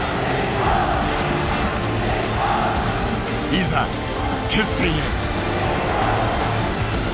いざ決戦へ。